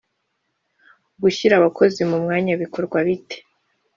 gushyira abakozi mu mwanya bikorwa bite